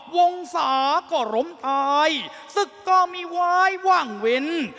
วงศาก็ล้มตายศึกก็มีวายว่างเว้น